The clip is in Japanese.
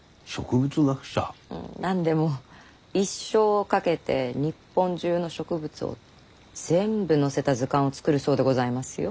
何でも一生を懸けて日本中の植物を全部載せた図鑑を作るそうでございますよ。